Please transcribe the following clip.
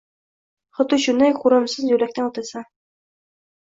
Xuddi shunday ko’rimsiz yo’lakdan o’tasan.